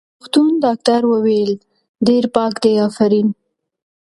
د روغتون ډاکټر وویل: ډېر پاک دی، افرین.